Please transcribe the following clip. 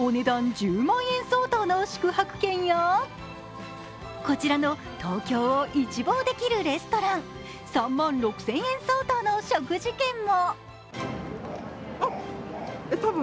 １０万円相当の宿泊券やこちらの東京を一望できるレストラン３万６０００円相当の食事券も。